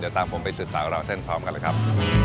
เดี๋ยวตามผมไปสืบสาวราวเส้นพร้อมกันเลยครับ